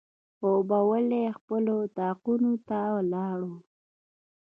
خوبولي خپلو اطاقونو ته ولاړو.